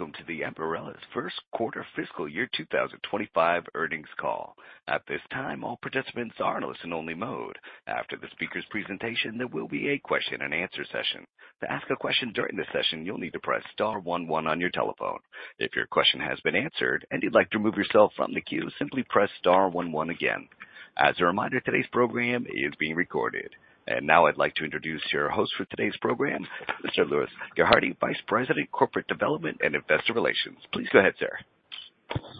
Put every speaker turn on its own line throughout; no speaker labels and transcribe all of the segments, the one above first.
Welcome to Ambarella's Q1 FY 2025 Earnings Call. At this time, all participants are in listen-only mode. After the speaker's presentation, there will be a question-and-answer session. To ask a question during the session, you'll need to press star 11 on your telephone. If your question has been answered and you'd like to remove yourself from the queue, simply press star 11 again. As a reminder, today's program is being recorded. And now I'd like to introduce your host for today's program, Mr. Louis Gerhardy, Vice President, Corporate Development and Investor Relations. Please go ahead, sir.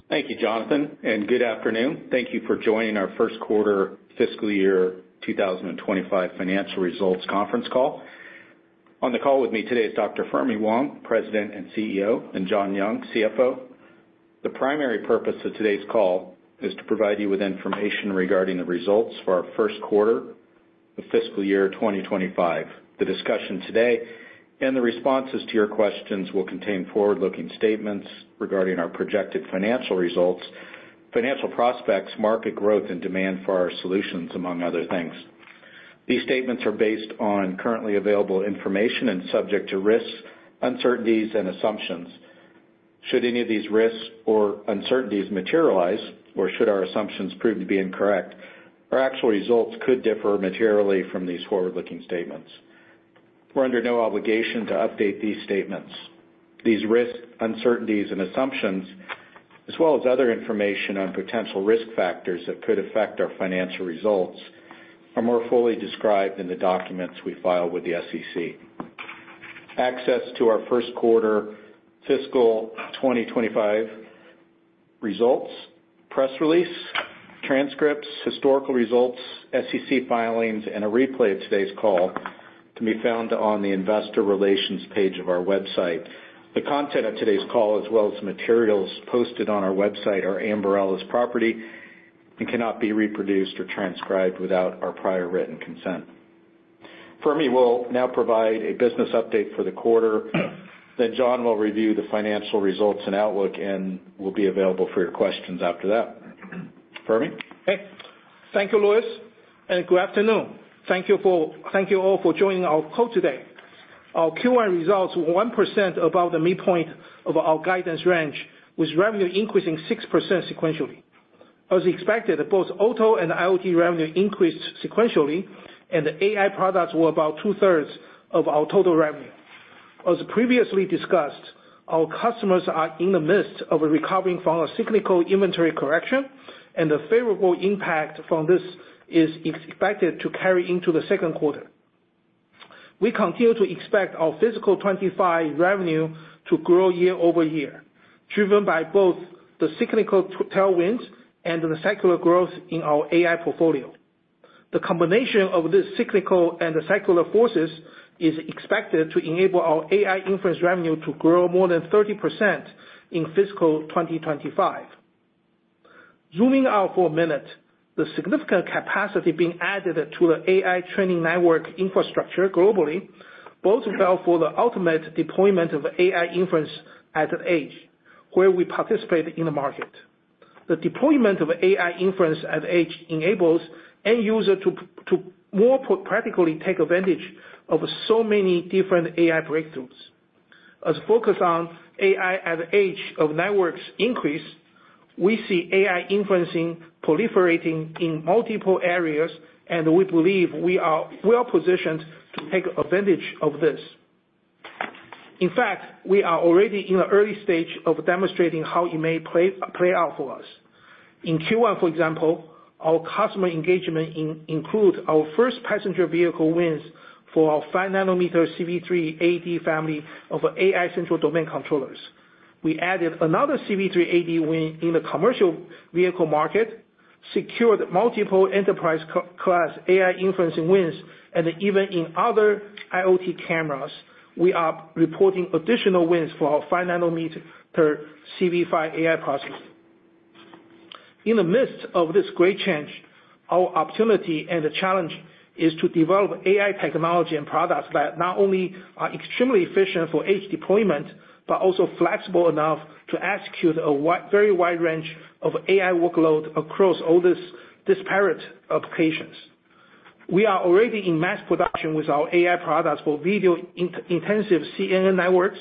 Thank you, Jonathan, and good afternoon. Thank you for joining our Q1 FY 2025 Financial Results Conference Call. On the call with me today is Dr. Fermi Wang, President and CEO, and John Young, CFO. The primary purpose of today's call is to provide you with information regarding the results for our Q1 of FY 2025. The discussion today and the responses to your questions will contain forward-looking statements regarding our projected financial results, financial prospects, market growth, and demand for our solutions, among other things. These statements are based on currently available information and subject to risks, uncertainties, and assumptions. Should any of these risks or uncertainties materialize, or should our assumptions prove to be incorrect, our actual results could differ materially from these forward-looking statements. We're under no obligation to update these statements. These risks, uncertainties, and assumptions, as well as other information on potential risk factors that could affect our financial results, are more fully described in the documents we file with the SEC. Access to our Q1 FY 2025 results, press release, transcripts, historical results, SEC filings, and a replay of today's call can be found on the Investor Relations page of our website. The content of today's call, as well as materials posted on our website, are Ambarella's property and cannot be reproduced or transcribed without our prior written consent. Fermi will now provide a business update for the quarter, then John will review the financial results and outlook, and we'll be available for your questions after that. Fermi?
Okay. Thank you, Louis, and good afternoon. Thank you all for joining our call today. Our Q1 results were 1% above the midpoint of our guidance range, with revenue increasing 6% sequentially. As expected, both auto and IoT revenue increased sequentially, and the AI products were about two-thirds of our total revenue. As previously discussed, our customers are in the midst of recovering from a cyclical inventory correction, and the favorable impact from this is expected to carry into the Q2. We continue to expect our fiscal 2025 revenue to grow year-over-year, driven by both the cyclical tailwinds and the secular growth in our AI portfolio. The combination of these cyclical and secular forces is expected to enable our AI inference revenue to grow more than 30% in fiscal 2025. Zooming out for a minute, the significant capacity being added to the AI training network infrastructure globally will fuel the ultimate deployment of AI inference at edge, where we participate in the market. The deployment of AI inference at edge enables end users to more practically take advantage of so many different AI breakthroughs. As focus on AI at edge of networks increases, we see AI inferencing proliferating in multiple areas, and we believe we are well positioned to take advantage of this. In fact, we are already in the early stage of demonstrating how it may play out for us. In Q1, for example, our customer engagement included our first passenger vehicle wins for our 5-nanometer CV3-AD family of AI central domain controllers. We added another CV3-AD win in the commercial vehicle market, secured multiple enterprise-class AI inferencing wins, and even in other IoT cameras, we are reporting additional wins for our 5-nanometer CV5 AI process. In the midst of this great change, our opportunity and the challenge is to develop AI technology and products that not only are extremely efficient for edge deployment but also flexible enough to execute a very wide range of AI workload across all these disparate applications. We are already in mass production with our AI products for video-intensive CNN networks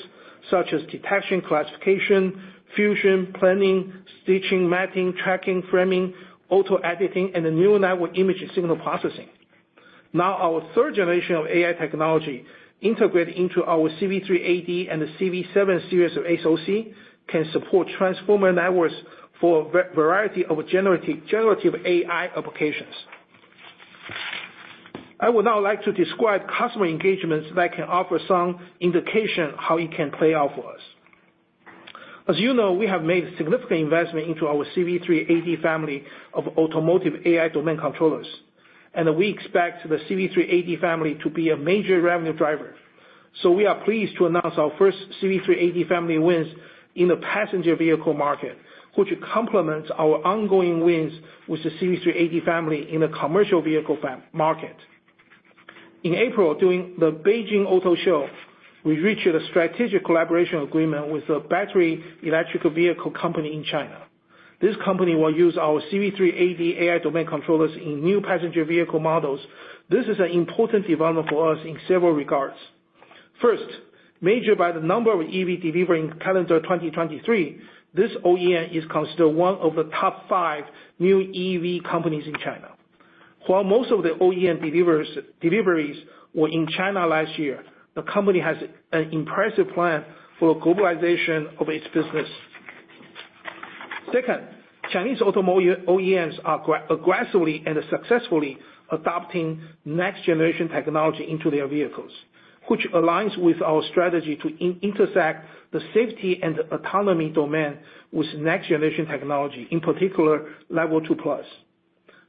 such as detection classification, fusion, planning, stitching, mapping, tracking, framing, auto editing, and the new network image signal processing. Now, our third generation of AI technology integrated into our CV3-AD and the CV7 series of SoC can support transformer networks for a variety of generative AI applications. I would now like to describe customer engagements that can offer some indication how it can play out for us. As you know, we have made significant investment into our CV3-AD family of automotive AI domain controllers, and we expect the CV3-AD family to be a major revenue driver. So we are pleased to announce our first CV3-AD family wins in the passenger vehicle market, which complements our ongoing wins with the CV3-AD family in the commercial vehicle market. In April, during the Beijing Auto Show, we reached a strategic collaboration agreement with a battery electric vehicle company in China. This company will use our CV3-AD AI domain controllers in new passenger vehicle models. This is an important development for us in several regards. First, major by the number of EV delivery in calendar 2023, this OEM is considered one of the top five new EV companies in China. While most of the OEM deliveries were in China last year, the company has an impressive plan for globalization of its business. Second, Chinese automotive OEMs are aggressively and successfully adopting next-generation technology into their vehicles, which aligns with our strategy to intersect the safety and autonomy domain with next-generation technology, in particular, Level 2+.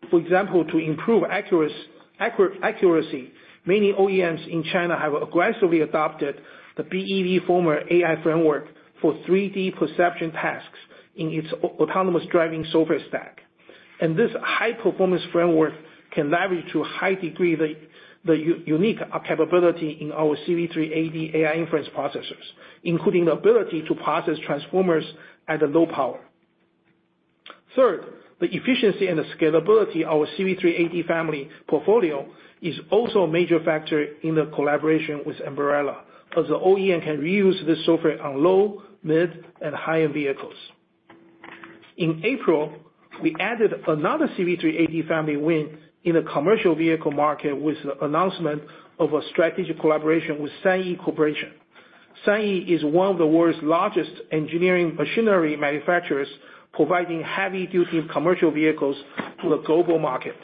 For example, to improve accuracy, many OEMs in China have aggressively adopted the BEVFormer AI framework for 3D perception tasks in its autonomous driving software stack. And this high-performance framework can leverage to a high degree the unique capability in our CV3-AD AI inference processors, including the ability to process transformers at low power. Third, the efficiency and the scalability of our CV3-AD family portfolio is also a major factor in the collaboration with Ambarella, as the OEM can reuse this software on low, mid, and high-end vehicles. In April, we added another CV3-AD family win in the commercial vehicle market with the announcement of a strategic collaboration with SANY Group. SANY is one of the world's largest engineering machinery manufacturers providing heavy-duty commercial vehicles to the global market.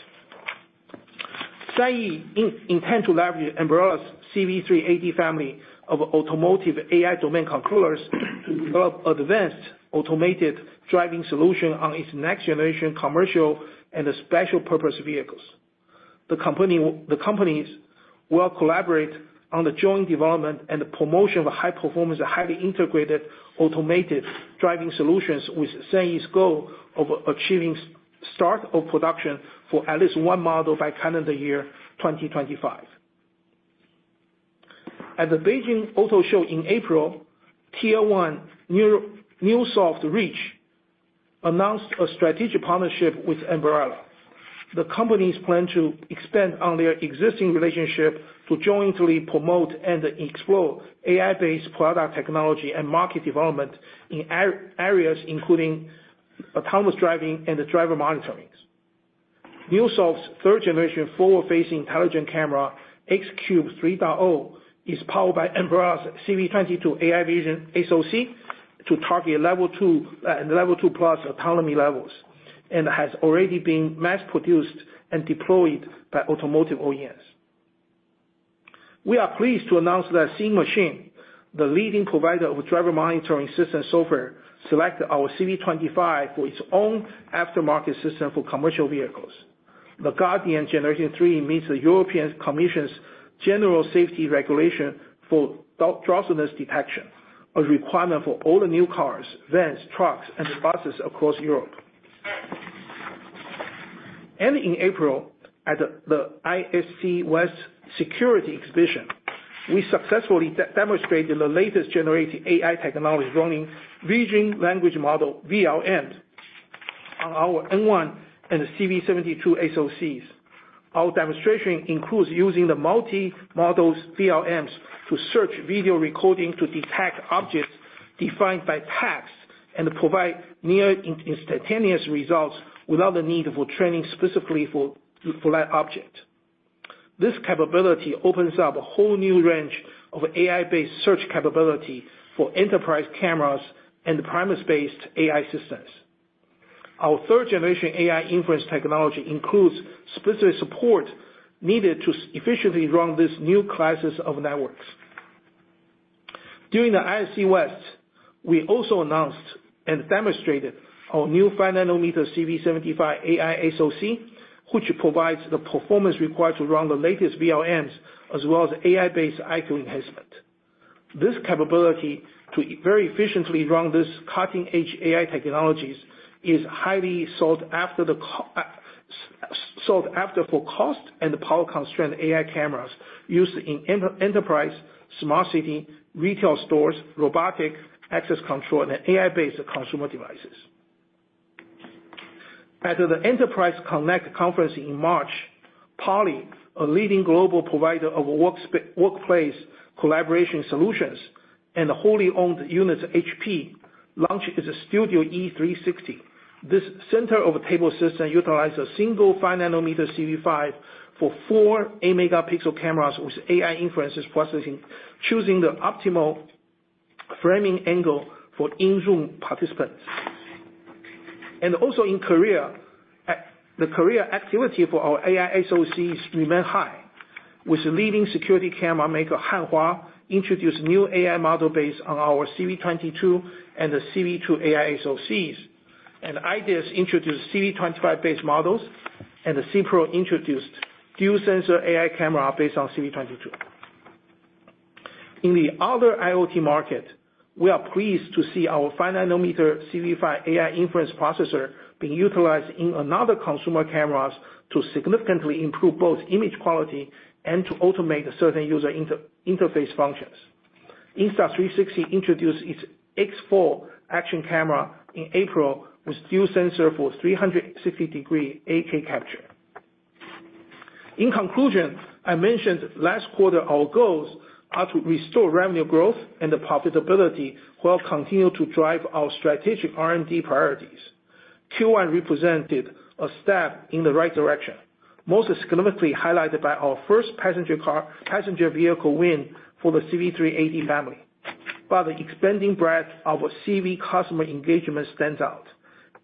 SANY intends to leverage Ambarella's CV3-AD family of automotive AI domain controllers to develop advanced automated driving solutions on its next-generation commercial and special-purpose vehicles. The companies will collaborate on the joint development and promotion of high-performance, highly integrated automated driving solutions with SANY's goal of achieving start of production for at least one model by calendar year 2025. At the Beijing Auto Show in April, Tier 1 Neusoft Reach announced a strategic partnership with Ambarella. The companies plan to expand on their existing relationship to jointly promote and explore AI-based product technology and market development in areas including autonomous driving and driver monitoring. Neusoft's third-generation forward-facing intelligent camera XCube 3.0 is powered by Ambarella's CV22 AI Vision SoC to target Level 2 and Level 2+ autonomy levels and has already been mass-produced and deployed by automotive OEMs. We are pleased to announce that Seeing Machines, the leading provider of driver monitoring system software, selected our CV25 for its own aftermarket system for commercial vehicles. The Guardian Generation 3 meets the European Commission's General Safety Regulation for Drowsiness Detection, a requirement for all the new cars, vans, trucks, and buses across Europe. And in April, at the ISC West Security Exhibition, we successfully demonstrated the latest generative AI technology running Vision Language Model (VLMs) on our N1 and CV72 SoCs. Our demonstration includes using the multi-modal VLMs to search video recording to detect objects defined by tags and provide near-instantaneous results without the need for training specifically for that object. This capability opens up a whole new range of AI-based search capability for enterprise cameras and premise-based AI systems. Our third-generation AI inference technology includes specific support needed to efficiently run these new classes of networks. During the ISC West, we also announced and demonstrated our new 5-nanometer CV75 AI SoC, which provides the performance required to run the latest VLMs as well as AI-based IQ enhancement. This capability to very efficiently run these cutting-edge AI technologies is highly sought after for cost and power constraint AI cameras used in enterprise, smart city, retail stores, robotic access control, and AI-based consumer devices. At the Enterprise Connect conference in March, Poly, a leading global provider of workplace collaboration solutions and the wholly owned unit HP, launched its Studio E360. This center-of-table system utilizes a single 5-nanometer CV5 for four 8-megapixel cameras with AI inference processing, choosing the optimal framing angle for in-room participants. Also in Korea, the camera activity for our AI SoCs remains high, with the leading security camera maker Hanwha introduced new AI models based on our CV22 and the CV2 AI SoCs. And IDIS introduced CV25-based models, and the C-PRO introduced dual-sensor AI camera based on CV22. In the other IoT market, we are pleased to see our 5-nanometer CV5 AI inference processor being utilized in another consumer cameras to significantly improve both image quality and to automate certain user interface functions. Insta360 introduced its X4 action camera in April with dual sensor for 360-degree 8K capture. In conclusion, I mentioned last quarter our goals are to restore revenue growth and profitability while continuing to drive our strategic R&D priorities. Q1 represented a step in the right direction, most significantly highlighted by our first passenger vehicle win for the CV3-AD family. But the expanding breadth of our CV customer engagement stands out,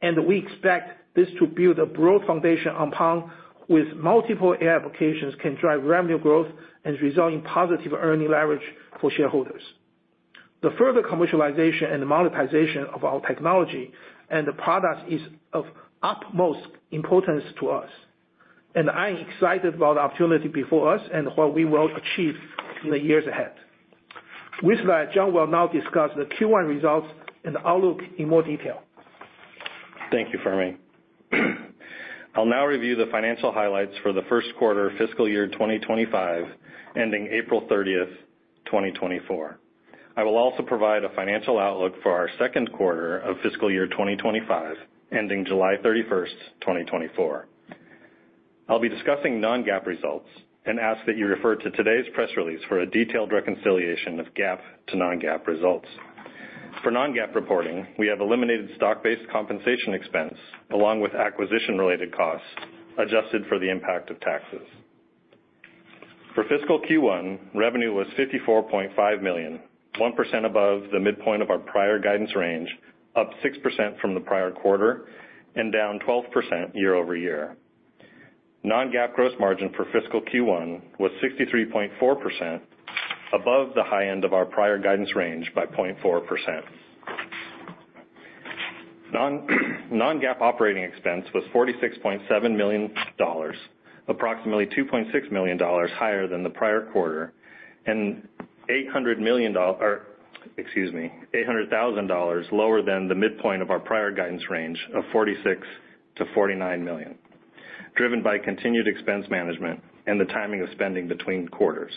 and we expect this to build a broad foundation upon which multiple AI applications can drive revenue growth and result in positive earning leverage for shareholders. The further commercialization and monetization of our technology and the products is of utmost importance to us, and I am excited about the opportunity before us and what we will achieve in the years ahead. With that, John will now discuss the Q1 results and the outlook in more detail.
Thank you, Fermi. I'll now review the financial highlights for the Q1 FY 2025, ending April 30th, 2024. I will also provide a financial outlook for our Q2 of FY 2025, ending July 31st, 2024. I'll be discussing non-GAAP results and ask that you refer to today's press release for a detailed reconciliation of GAAP to non-GAAP results. For non-GAAP reporting, we have eliminated stock-based compensation expense along with acquisition-related costs adjusted for the impact of taxes. For fiscal Q1, revenue was $54.5 million, 1% above the midpoint of our prior guidance range, up 6% from the prior quarter, and down 12% year over year. Non-GAAP gross margin for fiscal Q1 was 63.4%, above the high end of our prior guidance range by 0.4%. Non-GAAP operating expense was $46.7 million, approximately $2.6 million higher than the prior quarter, and $800 million or excuse me, $800,000 lower than the midpoint of our prior guidance range of $46-$49 million, driven by continued expense management and the timing of spending between quarters.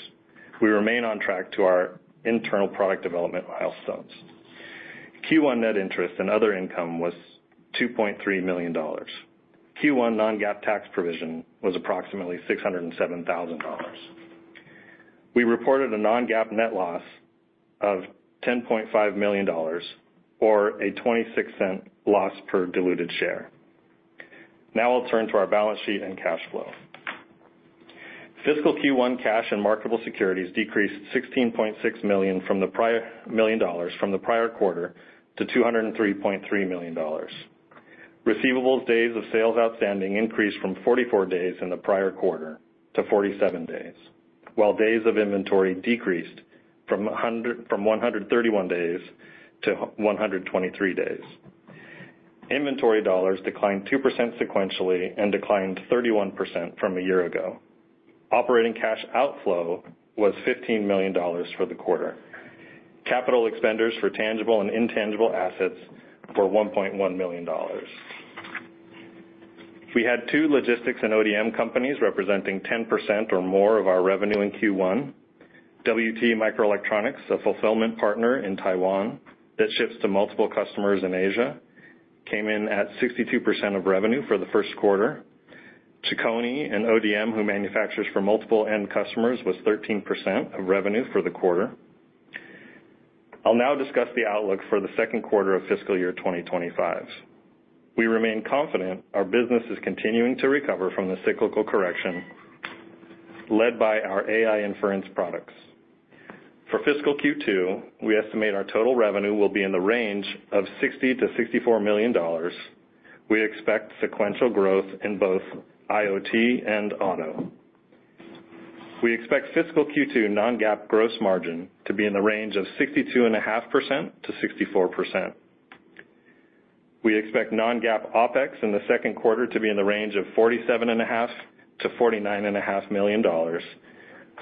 We remain on track to our internal product development milestones. Q1 net interest and other income was $2.3 million. Q1 non-GAAP tax provision was approximately $607,000. We reported a non-GAAP net loss of $10.5 million or a $0.26 loss per diluted share. Now I'll turn to our balance sheet and cash flow. Fiscal Q1 cash and marketable securities decreased $16.6 million from the prior quarter to $203.3 million. Receivables days of sales outstanding increased from 44 days in the prior quarter to 47 days, while days of inventory decreased from 131 days to 123 days. Inventory dollars declined 2% sequentially and declined 31% from a year ago. Operating cash outflow was $15 million for the quarter. Capital expenditures for tangible and intangible assets were $1.1 million. We had two logistics and ODM companies representing 10% or more of our revenue in Q1. WT Microelectronics, a fulfillment partner in Taiwan that ships to multiple customers in Asia, came in at 62% of revenue for the Q1. Chicony, an ODM who manufactures for multiple end customers, was 13% of revenue for the quarter. I'll now discuss the outlook for the Q2 of FY 2025. We remain confident our business is continuing to recover from the cyclical correction led by our AI inference products. For fiscal Q2, we estimate our total revenue will be in the range of $60-$64 million. We expect sequential growth in both IoT and auto. We expect fiscal Q2 non-GAAP gross margin to be in the range of 62.5%-64%. We expect non-GAAP OPEX in the Q2 to be in the range of $47.5-$49.5 million,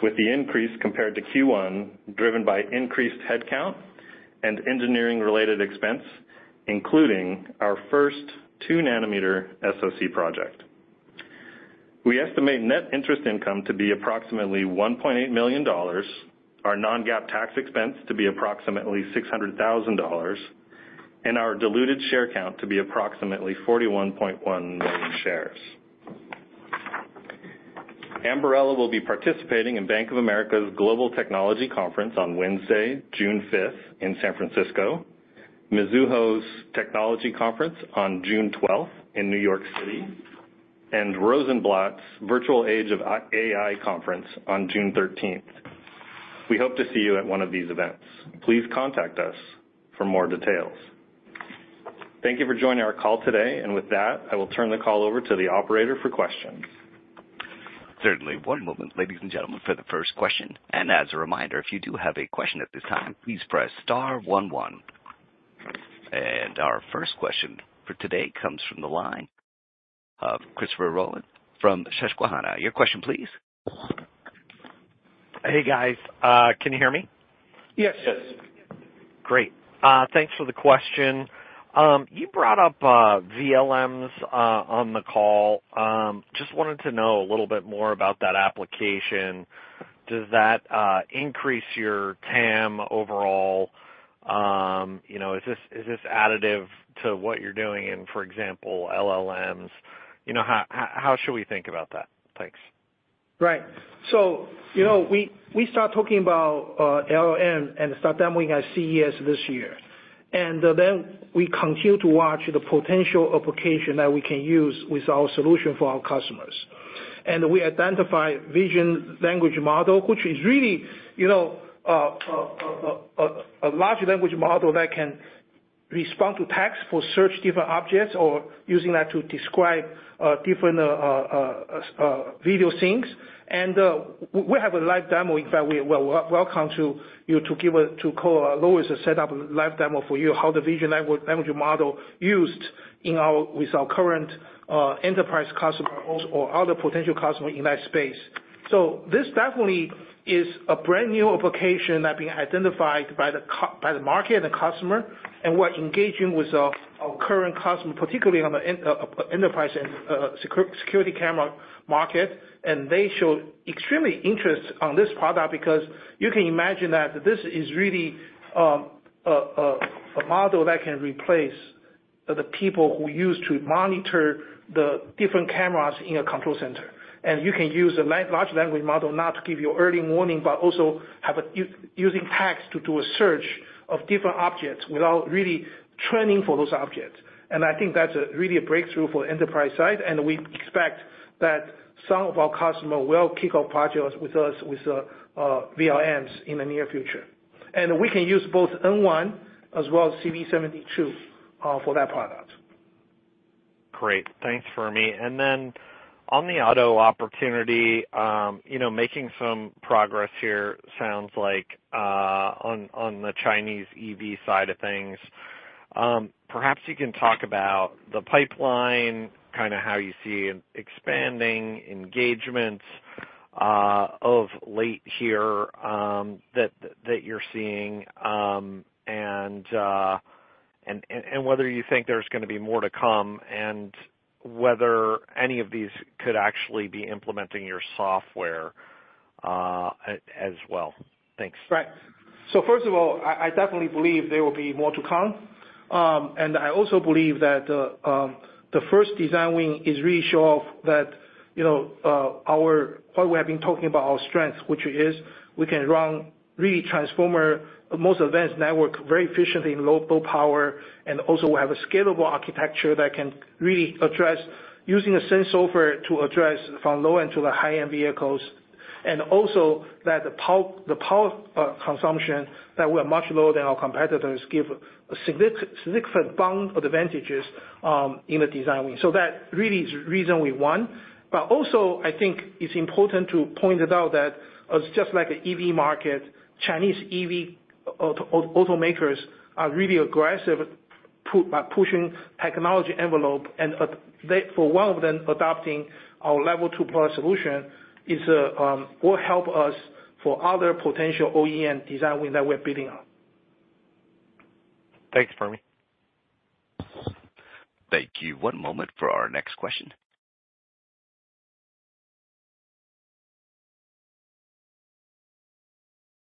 with the increase compared to Q1 driven by increased headcount and engineering-related expense, including our first 2-nanometer SoC project. We estimate net interest income to be approximately $1.8 million, our non-GAAP tax expense to be approximately $600,000, and our diluted share count to be approximately 41.1 million shares. Ambarella will be participating in Bank of America's Global Technology Conference on Wednesday, June 5th, in San Francisco, Mizuho's Technology Conference on June 12th in New York City, and Rosenblatt's Virtual Age of AI Conference on June 13th. We hope to see you at one of these events. Please contact us for more details. Thank you for joining our call today. And with that, I will turn the call over to the operator for questions.
Certainly. One moment, ladies and gentlemen, for the first question. As a reminder, if you do have a question at this time, please press star 11. Our first question for today comes from the line of Christopher Rolland from Susquehanna. Your question, please.
Hey, guys. Can you hear me?
Yes.
Great. Thanks for the question. You brought up VLMs on the call. Just wanted to know a little bit more about that application. Does that increase your TAM overall? Is this additive to what you're doing in, for example, LLMs? How should we think about that? Thanks.
Right. So we start talking about LLM and start demoing at CES this year. And then we continue to watch the potential application that we can use with our solution for our customers. And we identify Vision Language Model, which is really a large language model that can respond to tags for search different objects or using that to describe different video things. And we have a live demo. In fact, we're welcome to give to Louis a setup live demo for you how the Vision Language Model used with our current enterprise customer or other potential customer in that space. So this definitely is a brand new application that's being identified by the market and customer and we're engaging with our current customer, particularly on the enterprise and security camera market. They show extreme interest in this product because you can imagine that this is really a model that can replace the people who used to monitor the different cameras in a control center. You can use a large language model not to give you early warning but also using tags to do a search of different objects without really training for those objects. I think that's really a breakthrough for the enterprise side. We expect that some of our customers will kick off projects with us with VLMs in the near future. We can use both N1 as well as CV72 for that product.
Great. Thanks, Fermi. And then on the auto opportunity, making some progress here sounds like on the Chinese EV side of things. Perhaps you can talk about the pipeline, kind of how you see expanding engagements of late here that you're seeing and whether you think there's going to be more to come and whether any of these could actually be implementing your software as well. Thanks.
Right. So first of all, I definitely believe there will be more to come. And I also believe that the first design win is really a sure thing that what we have been talking about, our strength, which is we can run really Transformer most advanced network very efficiently in low power. And also we have a scalable architecture that can really address using sensor fusion to address from low-end to the high-end vehicles. And also that the power consumption that we are much lower than our competitors give significant power advantages in the design win. So that really is the reason we won. But also, I think it's important to point it out that it's just like an EV market. Chinese EV automakers are really aggressive by pushing technology envelope. For one of them adopting our Level 2+ solution will help us for other potential OEM design wins that we're building on.
Thanks, Fermi.
Thank you. One moment for our next question.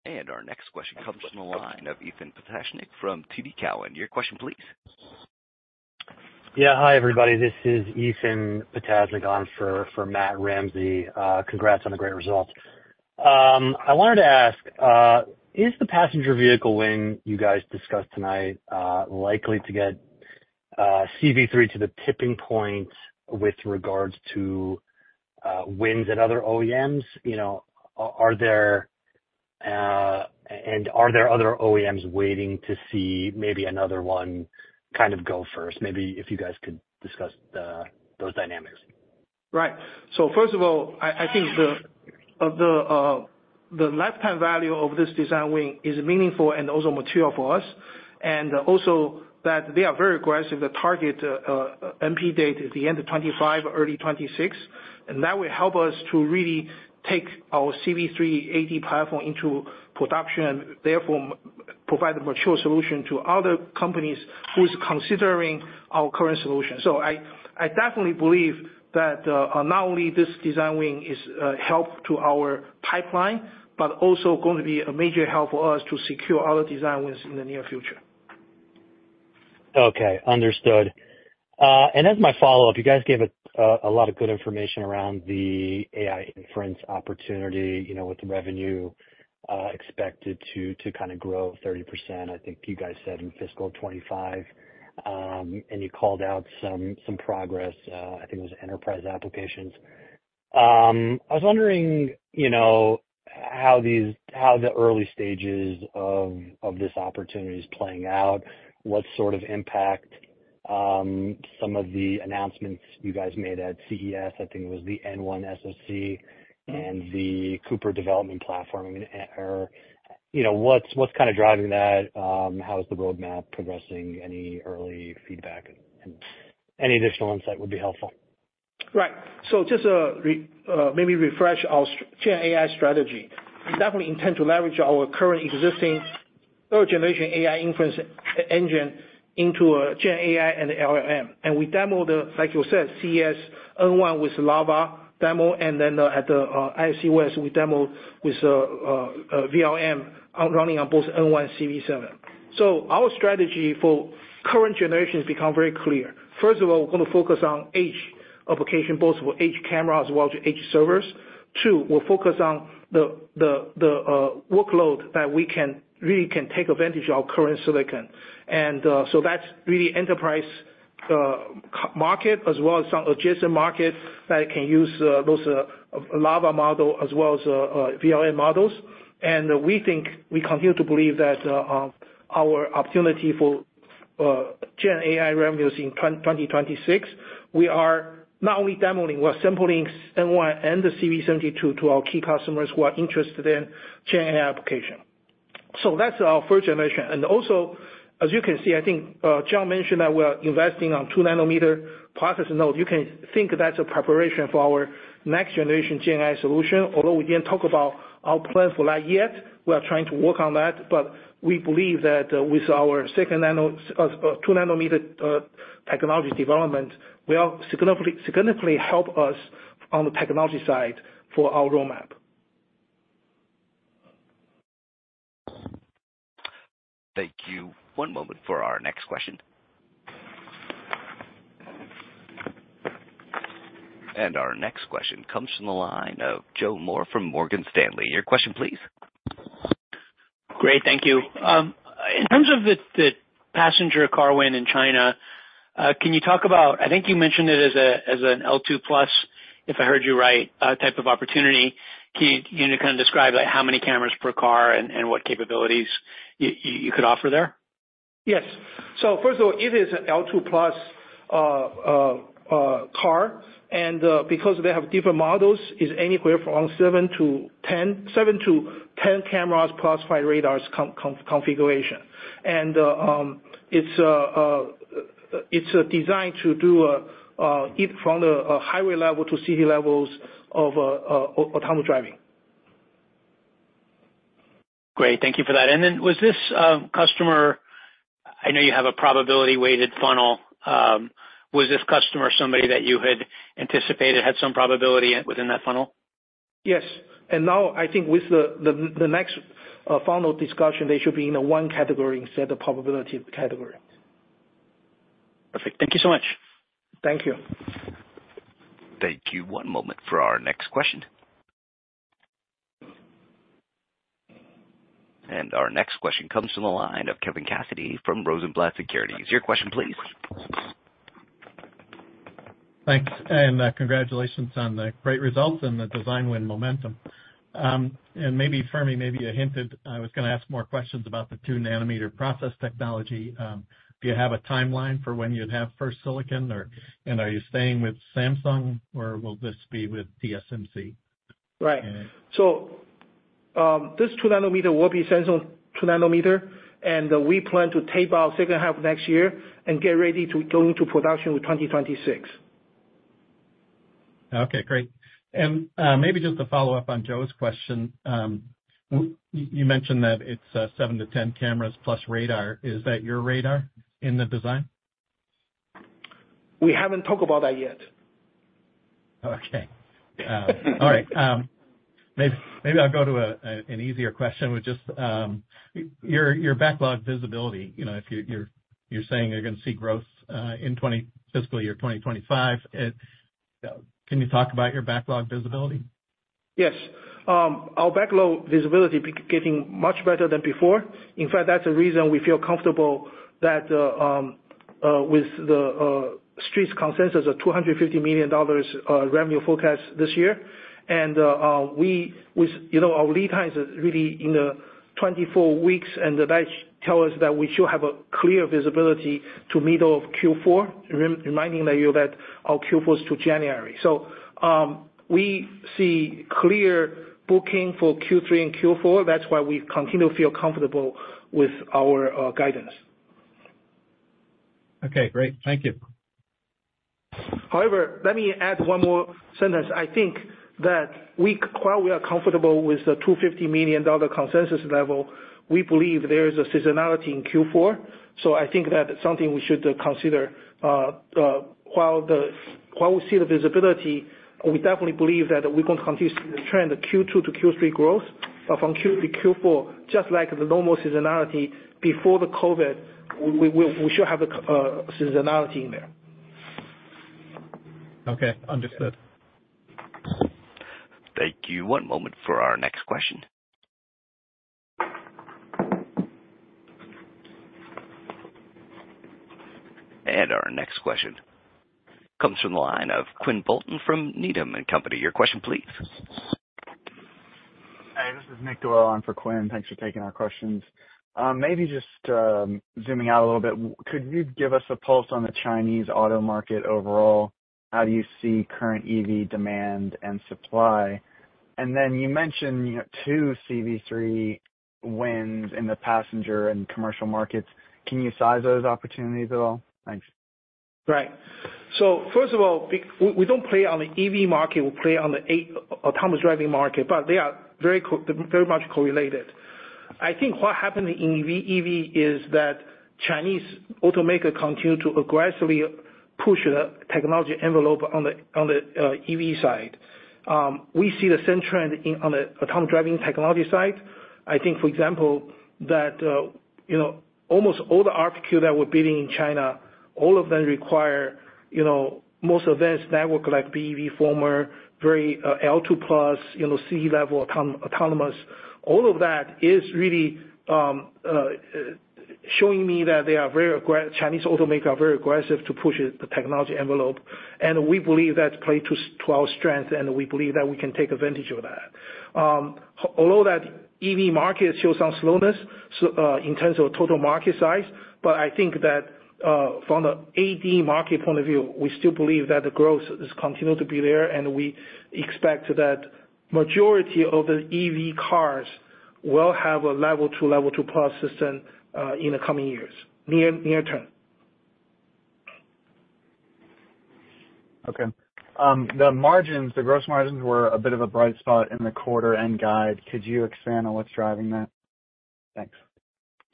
And our next question comes from the line of Ethan Potasnick from TD Cowen. Your question, please.
Yeah. Hi, everybody. This is Ethan Potasnick on for Matt Ramsay. Congrats on the great result. I wanted to ask, is the passenger vehicle wing you guys discussed tonight likely to get CV3 to the tipping point with regards to wins at other OEMs? Are there other OEMs waiting to see maybe another one kind of go first? Maybe if you guys could discuss those dynamics.
Right. So first of all, I think the lifetime value of this design win is meaningful and also material for us. And also that they are very aggressive. The target MP date is the end of 2025, early 2026. And that will help us to really take our CV3-AD platform into production, therefore provide a mature solution to other companies who is considering our current solution. So I definitely believe that not only this design win is a help to our pipeline, but also going to be a major help for us to secure other design wins in the near future.
Okay. Understood. And as my follow-up, you guys gave a lot of good information around the AI inference opportunity with the revenue expected to kind of grow 30%, I think you guys said, in fiscal 2025. And you called out some progress. I think it was enterprise applications. I was wondering how the early stages of this opportunity is playing out, what sort of impact some of the announcements you guys made at CES, I think it was the N1 SoC and the Cooper development platform. I mean, what's kind of driving that? How is the roadmap progressing? Any early feedback and any additional insight would be helpful.
Right. So just to maybe refresh our Gen AI strategy, we definitely intend to leverage our current existing third-generation AI inference engine into Gen AI and LLM. And we demoed, like you said, CES N1 with LLaVA demo. And then at the ISCWES, we demoed with VLM running on both N1 and CV7. So our strategy for current generation has become very clear. First of all, we're going to focus on AI application, both for AI camera as well as AI servers. Two, we'll focus on the workload that we really can take advantage of our current silicon. And so that's really enterprise market as well as some adjacent market that can use those LLaVA model as well as VLM models. We think we continue to believe that our opportunity for Gen AI revenues in 2026. We are not only demoing, we're sampling N1 and the CV72 to our key customers who are interested in Gen AI application. So that's our first generation. Also, as you can see, I think John mentioned that we are investing on 2-nanometer process node. You can think that's a preparation for our next generation Gen AI solution. Although we didn't talk about our plan for that yet, we are trying to work on that. But we believe that with our 2-nanometer technology development, will significantly help us on the technology side for our roadmap.
Thank you. One moment for our next question. Our next question comes from the line of Joe Moore from Morgan Stanley. Your question, please.
Great. Thank you. In terms of the passenger car wing in China, can you talk about I think you mentioned it as an L2+, if I heard you right, type of opportunity? Can you kind of describe how many cameras per car and what capabilities you could offer there?
Yes. So first of all, it is an L2+ car. Because they have different models, it's anywhere from 7-10 cameras plus five radars configuration. It's designed to do it from the highway level to city levels of autonomous driving.
Great. Thank you for that. And then, was this customer I know you have a probability-weighted funnel, was this customer somebody that you had anticipated had some probability within that funnel?
Yes. And now, I think with the next funnel discussion, they should be in the one category instead of the probability category.
Perfect. Thank you so much.
Thank you.
Thank you. One moment for our next question. And our next question comes from the line of Kevin Cassidy from Rosenblatt Securities. Your question, please.
Thanks. And congratulations on the great results and the design win momentum. And maybe, Fermi, maybe you hinted I was going to ask more questions about the 2-nanometer process technology. Do you have a timeline for when you'd have first silicon? And are you staying with Samsung, or will this be with TSMC?
Right. This 2-nanometer will be Samsung 2-nanometer. We plan to tape out second half next year and get ready to go into production with 2026.
Okay. Great. Maybe just to follow up on Joe's question, you mentioned that it's 7-10 cameras plus radar. Is that your radar in the design?
We haven't talked about that yet.
Okay. All right. Maybe I'll go to an easier question with just your backlog visibility. If you're saying you're going to see growth in fiscal year 2025, can you talk about your backlog visibility?
Yes. Our backlog visibility is getting much better than before. In fact, that's the reason we feel comfortable that with the street's consensus of $250 million revenue forecast this year. Our lead times are really in the 24 weeks. And that tells us that we should have a clear visibility to middle of Q4, reminding you that our Q4 is to January. We see clear booking for Q3 and Q4. That's why we continue to feel comfortable with our guidance.
Okay. Great. Thank you.
However, let me add one more sentence. I think that while we are comfortable with the $250 million consensus level, we believe there is a seasonality in Q4. So I think that's something we should consider. While we see the visibility, we definitely believe that we're going to continue to see the trend of Q2 to Q3 growth from Q3 to Q4, just like the normal seasonality before the COVID. We should have the seasonality in there.
Okay. Understood.
Thank you. One moment for our next question. Our next question comes from the line of Quinn Bolton from Needham & Company. Your question, please.
Hey. This is Nick Doyle on for Quinn. Thanks for taking our questions. Maybe just zooming out a little bit, could you give us a pulse on the Chinese auto market overall? How do you see current EV demand and supply? And then you mentioned two CV3 wins in the passenger and commercial markets. Can you size those opportunities at all? Thanks.
Right. So first of all, we don't play on the EV market. We play on the autonomous driving market. But they are very much correlated. I think what happened in EV is that Chinese automaker continue to aggressively push the technology envelope on the EV side. We see the same trend on the autonomous driving technology side. I think, for example, that almost all the RFQ that we're building in China, all of them require most advanced network like BEVFormer, very L2+, city-level autonomous. All of that is really showing me that Chinese automaker are very aggressive to push the technology envelope. And we believe that's played to our strength. And we believe that we can take advantage of that. Although that EV market shows some slowness in terms of total market size, but I think that from the AD market point of view, we still believe that the growth is continuing to be there. We expect that the majority of the EV cars will have a level two, level two-plus system in the coming years, near term.
Okay. The gross margins were a bit of a bright spot in the quarter-end guide. Could you expand on what's driving that? Thanks.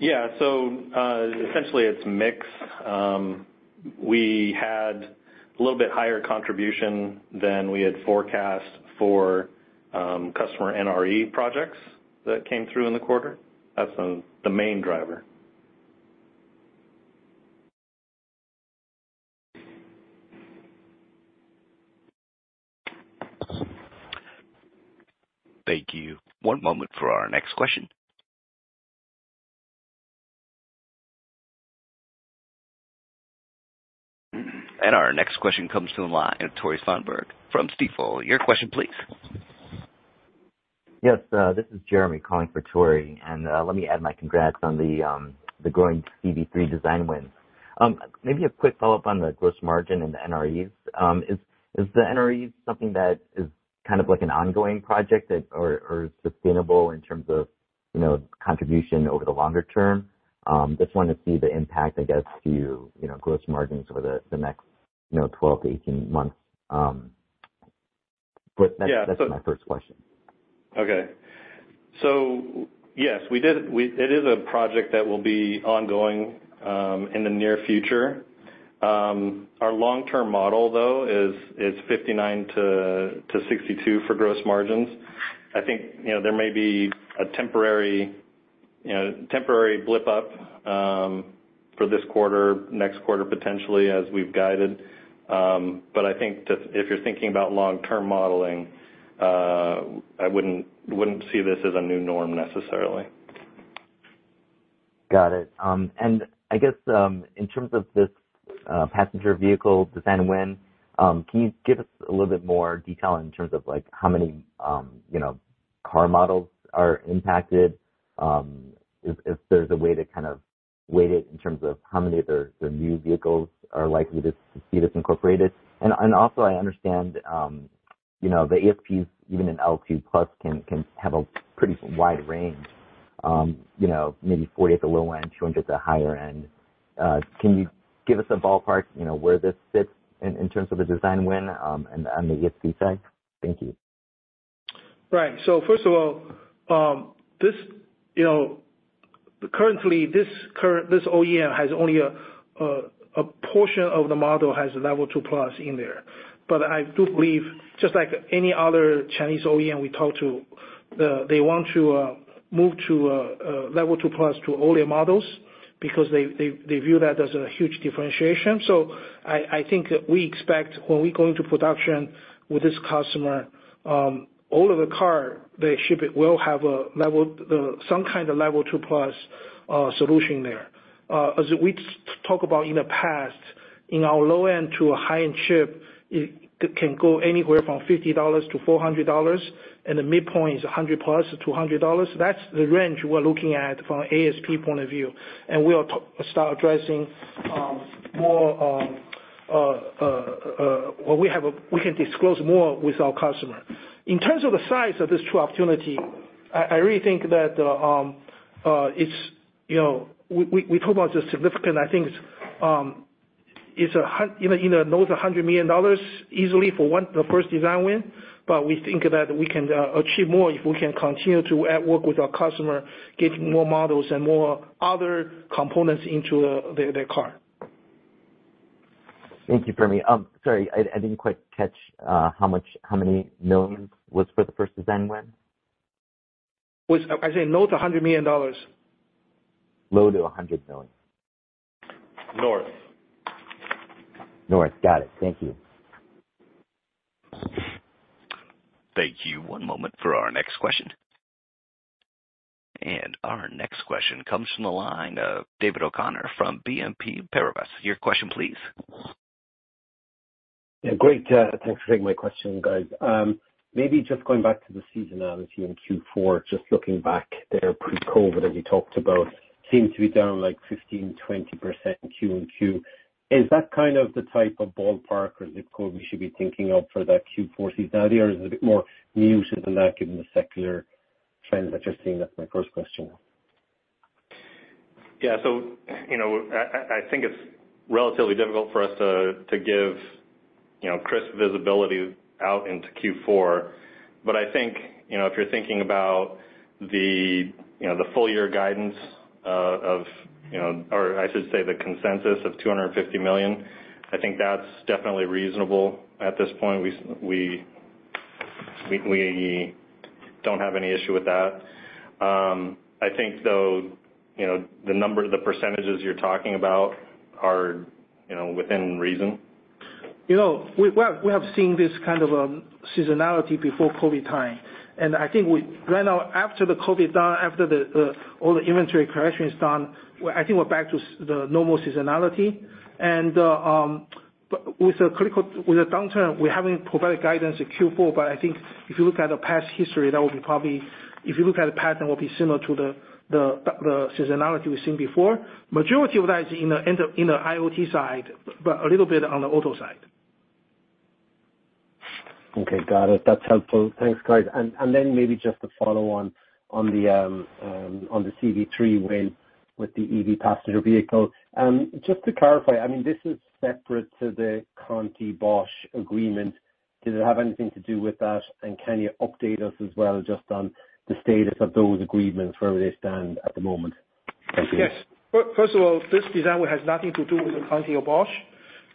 Yeah. So essentially, it's mix. We had a little bit higher contribution than we had forecast for customer NRE projects that came through in the quarter. That's the main driver.
Thank you. One moment for our next question. Our next question comes from Tore Svanberg from Stifel. Your question, please.
Yes. This is Jeremy calling for Tore. And let me add my congrats on the growing CV3 design wins. Maybe a quick follow-up on the gross margin and the NREs. Is the NRE something that is kind of like an ongoing project or sustainable in terms of contribution over the longer term? Just want to see the impact, I guess, to gross margins over the next 12-18 months. But that's my first question.
Okay. So yes, it is a project that will be ongoing in the near future. Our long-term model, though, is 59%-62% for gross margins. I think there may be a temporary blip-up for this quarter, next quarter potentially, as we've guided. But I think if you're thinking about long-term modeling, I wouldn't see this as a new norm necessarily.
Got it. And I guess in terms of this passenger vehicle design win, can you give us a little bit more detail in terms of how many car models are impacted? If there's a way to kind of weight it in terms of how many of the new vehicles are likely to see this incorporated? And also, I understand the ESPs, even in L2+, can have a pretty wide range, maybe 40 at the low end, 200 at the higher end. Can you give us a ballpark where this sits in terms of the design win on the ESP side? Thank you.
Right. So first of all, currently, this OEM has only a portion of the model has level two-plus in there. But I do believe, just like any other Chinese OEM we talk to, they want to move to level two-plus to earlier models because they view that as a huge differentiation. So I think we expect when we go into production with this customer, all of the car they ship will have some kind of level two-plus solution there. As we talked about in the past, in our low end to a high-end chip, it can go anywhere from $50-$400. And the midpoint is $100+ to $200. That's the range we're looking at from an ASP point of view. And we'll start addressing more what we can disclose more with our customer. In terms of the size of this true opportunity, I really think that it's significant. I think it's in the north of $100 million easily for the first design win. But we think that we can achieve more if we can continue to work with our customer, getting more models and more other components into their car.
Thank you, Fermi. Sorry. I didn't quite catch how many millions was for the first design win?
I said north of $100 million.
low to $100 million.
North.
North. Got it. Thank you.
Thank you. One moment for our next question. Our next question comes from the line of David O'Connor from BNP Paribas. Your question, please.
Yeah. Great. Thanks for taking my question, guys. Maybe just going back to the seasonality in Q4, just looking back there pre-COVID, as you talked about, seemed to be down like 15%-20% quarter-over-quarter. Is that kind of the type of ballpark or zip code we should be thinking of for that Q4 seasonality? Or is it a bit more muted than that given the secular trends that you're seeing? That's my first question.
Yeah. So I think it's relatively difficult for us to give crisp visibility out into Q4. But I think if you're thinking about the full-year guidance of, or I should say, the consensus of $250 million, I think that's definitely reasonable at this point. We don't have any issue with that. I think, though, the percentages you're talking about are within reason.
We have seen this kind of seasonality before COVID time. I think right now, after the COVID's done, after all the inventory correction is done, I think we're back to the normal seasonality. With the downturn, we haven't provided guidance in Q4. I think if you look at the past history, that will be probably if you look at the past, that will be similar to the seasonality we've seen before. Majority of that is in the IoT side but a little bit on the auto side.
Okay. Got it. That's helpful. Thanks, guys. And then maybe just to follow on the CV3 win with the EV passenger vehicle. Just to clarify, I mean, this is separate to the Conti-Bosch agreement. Did it have anything to do with that? And can you update us as well just on the status of those agreements, where they stand at the moment? Thank you.
Yes. First of all, this design win has nothing to do with the Conti or Bosch.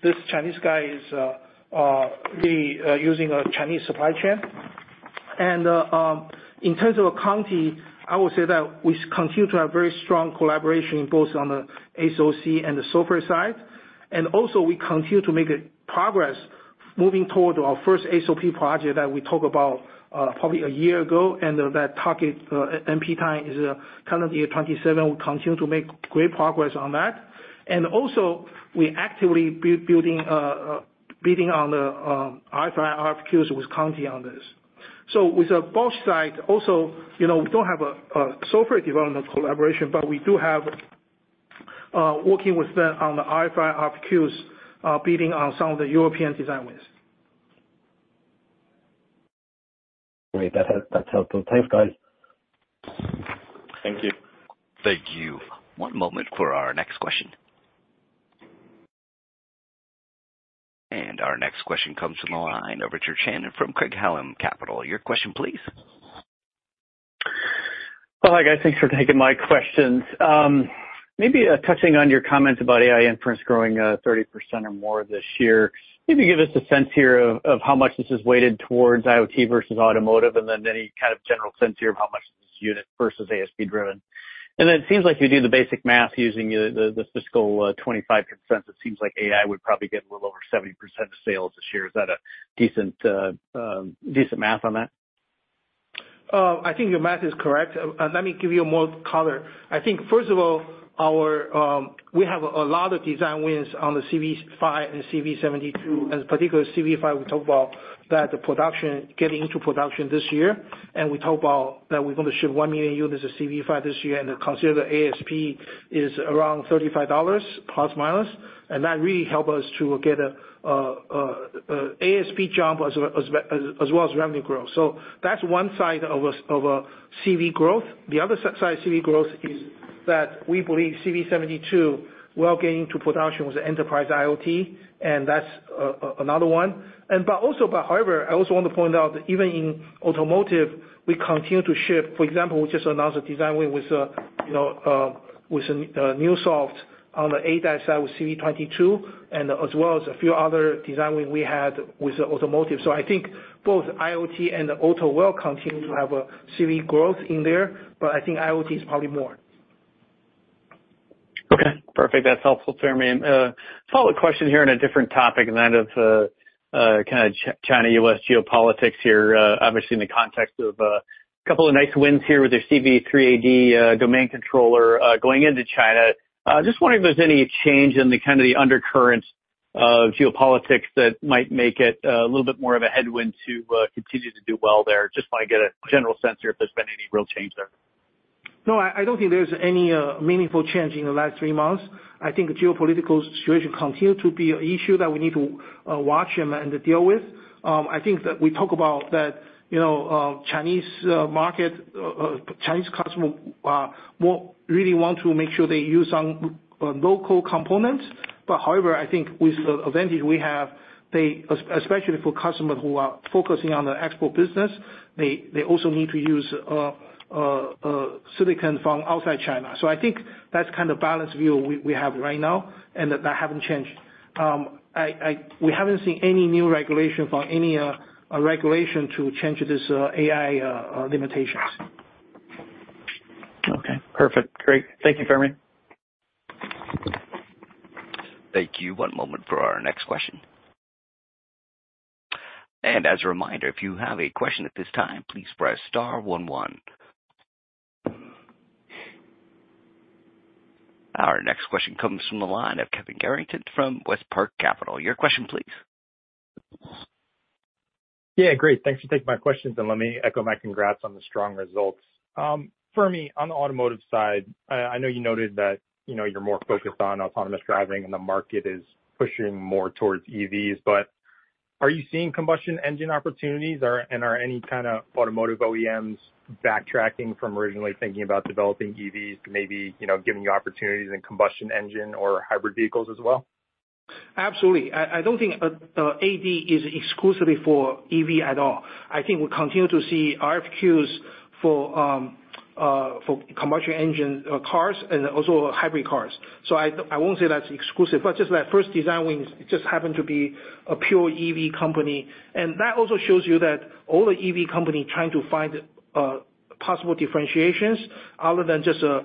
This Chinese guy is really using a Chinese supply chain. And in terms of Conti, I would say that we continue to have very strong collaboration both on the SoC and the software side. And also, we continue to make progress moving toward our first SOP project that we talked about probably a year ago. And that target, MP time, is currently 2027. We continue to make great progress on that. And also, we're actively bidding on the RFI RFQs with Conti on this. So with the Bosch side, also, we don't have a software development collaboration. But we do have working with them on the RFI RFQs, bidding on some of the European design wins.
Great. That's helpful. Thanks, guys.
Thank you.
Thank you. One moment for our next question. Our next question comes from the line of Richard Shannon from Craig-Hallum Capital Group. Your question, please.
Well, hi. Guys, thanks for taking my questions. Maybe touching on your comments about AI inference growing 30% or more this year, maybe give us a sense here of how much this is weighted towards IoT versus automotive and then any kind of general sense here of how much this is unit versus ASP-driven. Then it seems like if you do the basic math using the fiscal 2025%, it seems like AI would probably get a little over 70% of sales this year. Is that a decent math on that?
I think your math is correct. Let me give you more color. I think, first of all, we have a lot of design wins on the CV5 and CV72. And particularly CV5, we talk about that getting into production this year. And we talk about that we're going to ship 1 million units of CV5 this year. And consider the ASP is around $35 plus/minus. And that really helps us to get an ASP jump as well as revenue growth. So that's one side of CV growth. The other side of CV growth is that we believe CV72, we are getting into production with enterprise IoT. And that's another one. But also, however, I also want to point out that even in automotive, we continue to ship. For example, we just announced a design win with a new OEM on the ADAS side with CV22 and as well as a few other design wins we had with automotive. So I think both IoT and auto will continue to have CV growth in there. But I think IoT is probably more.
Okay. Perfect. That's helpful, Fermi. Follow-up question here on a different topic than that of kind of China-US geopolitics here, obviously in the context of a couple of nice wins here with their CV3-AD domain controller going into China. Just wondering if there's any change in kind of the undercurrent of geopolitics that might make it a little bit more of a headwind to continue to do well there. Just want to get a general sense here if there's been any real change there.
No, I don't think there's any meaningful change in the last three months. I think the geopolitical situation continues to be an issue that we need to watch and deal with. I think that we talk about that Chinese market, Chinese customers really want to make sure they use some local components. But however, I think with the advantage we have, especially for customers who are focusing on the export business, they also need to use silicon from outside China. So I think that's kind of the balanced view we have right now. And that hasn't changed. We haven't seen any new regulation from any regulation to change these AI limitations.
Okay. Perfect. Great. Thank you, Fermi.
Thank you. One moment for our next question. As a reminder, if you have a question at this time, please press star 11. Our next question comes from the line of Kevin Garrigan from WestPark Capital. Your question, please.
Yeah. Great. Thanks for taking my questions. And let me echo my congrats on the strong results. Fermi, on the automotive side, I know you noted that you're more focused on autonomous driving and the market is pushing more towards EVs. But are you seeing combustion engine opportunities? And are any kind of automotive OEMs backtracking from originally thinking about developing EVs to maybe giving you opportunities in combustion engine or hybrid vehicles as well?
Absolutely. I don't think ADAS is exclusively for EV at all. I think we continue to see RFQs for combustion engine cars and also hybrid cars. So I won't say that's exclusive. But just that first design win just happened to be a pure EV company. And that also shows you that all the EV companies trying to find possible differentiations other than just the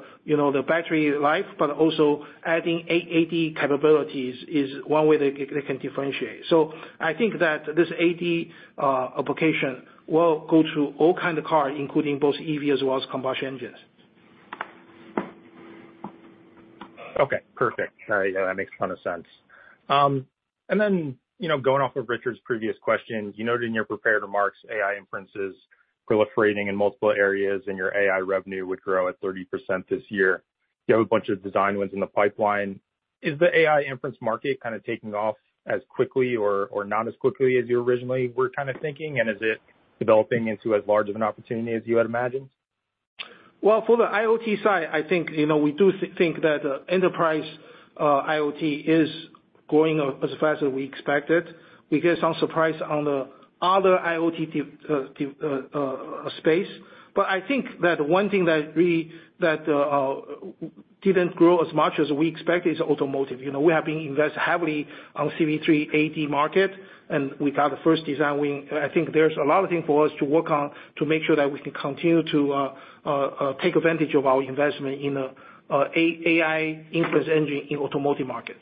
battery life but also adding ADAS capabilities is one way they can differentiate. So I think that this ADAS application will go to all kinds of cars, including both EV as well as combustion engines.
Okay. Perfect. That makes a ton of sense. And then going off of Richard's previous question, you noted in your prepared remarks, AI inference is proliferating in multiple areas, and your AI revenue would grow at 30% this year. You have a bunch of design wins in the pipeline. Is the AI inference market kind of taking off as quickly or not as quickly as you originally were kind of thinking? And is it developing into as large of an opportunity as you had imagined?
Well, for the IoT side, I think we do think that enterprise IoT is growing as fast as we expected. We get some surprise on the other IoT space. But I think that one thing that really didn't grow as much as we expected is automotive. We have been invested heavily on the CV3-AD market. And we got the first design win. I think there's a lot of things for us to work on to make sure that we can continue to take advantage of our investment in an AI inference engine in automotive markets.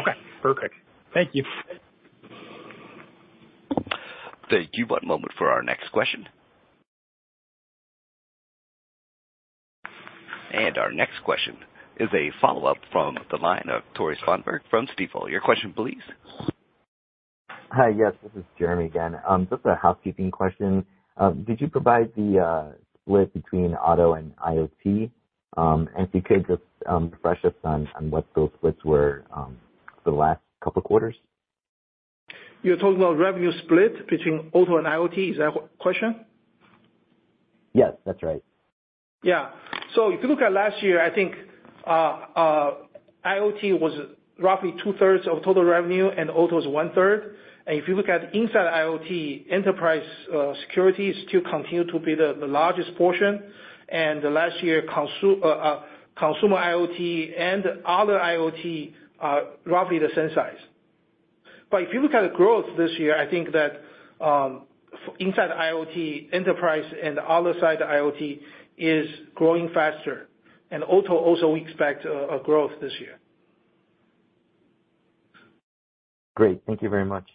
Okay. Perfect. Thank you.
Thank you. One moment for our next question. Our next question is a follow-up from the line of Tore Svanberg from Stifel. Your question, please.
Hi. Yes. This is Jeremy again. Just a housekeeping question. Did you provide the split between auto and IoT? And if you could, just refresh us on what those splits were for the last couple of quarters?
You're talking about revenue split between auto and IoT? Is that question?
Yes. That's right.
Yeah. If you look at last year, I think IoT was roughly 2/3 of total revenue, and auto was 1/3. If you look inside IoT, enterprise security still continued to be the largest portion. Last year, consumer IoT and other IoT are roughly the same size. But if you look at the growth this year, I think that inside IoT, enterprise, and other side of IoT is growing faster. And auto also expects growth this year.
Great. Thank you very much.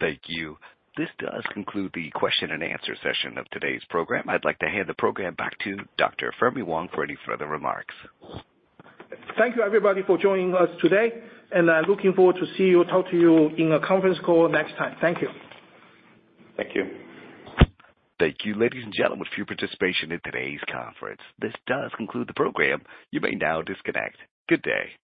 Thank you. This does conclude the question-and-answer session of today's program. I'd like to hand the program back to Dr. Fermi Wang for any further remarks.
Thank you, everybody, for joining us today. I'm looking forward to talking to you in a conference call next time. Thank you.
Thank you.
Thank you, ladies and gentlemen, for your participation in today's conference. This does conclude the program. You may now disconnect. Good day.